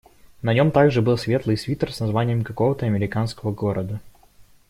На нём также был светлый свитер с названием какого-то американского города.